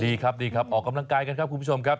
ดีครับดีครับออกกำลังกายกันครับคุณผู้ชมครับ